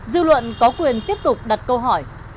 dư luận có quyền tiếp tục đặt câu hỏi